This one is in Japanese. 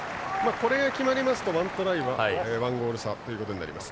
これが決まりますと１トライ１ゴール差となります。